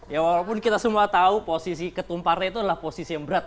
ya walaupun kita semua tahu posisi ketum partai itu adalah posisi yang berat